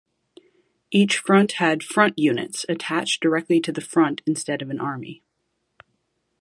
Each front had "front units" attached directly to the front instead of an army.